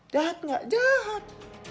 jahat gak jahat